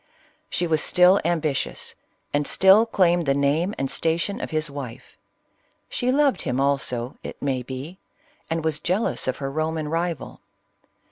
She was still ambitious, and still claimed the name and station of his wife : she loved him also, it may be, and was jealous of her Roman rival.